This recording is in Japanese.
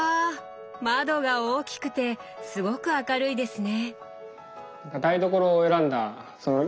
窓が大きくてすごく明るいですね。